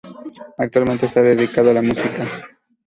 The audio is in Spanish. Actualmente está dedicado a la música.